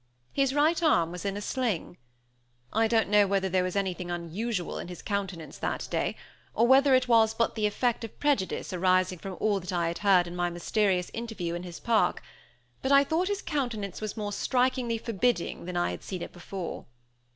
His right arm was in a sling. I don't know whether there was anything unusual in his countenance that day, or whether it was but the effect of prejudice arising from all I had heard in my mysterious interview in his park, but I thought his countenance was more strikingly forbidding than I had seen it before.